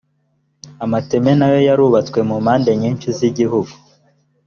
amateme na yo yarubatswe mu mpande nyinshi z’ igihugu